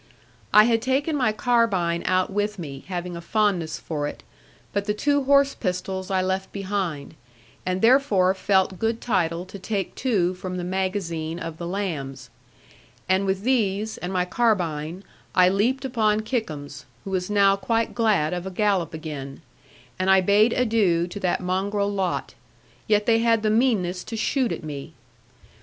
I had taken my carbine out with me, having a fondness for it; but the two horse pistols I left behind; and therefore felt good title to take two from the magazine of the lambs. And with these, and my carbine, I leaped upon Kickums, who was now quite glad of a gallop again; and I bade adieu to that mongrel lot; yet they had the meanness to shoot at me.